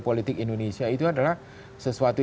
politik indonesia itu adalah sesuatu